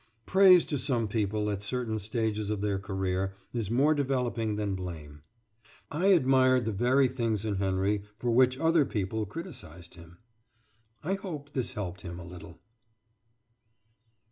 Praise to some people at certain stages of their career is more developing than blame. I admired the very things in Henry for which other people criticised him. I hope this helped him a little.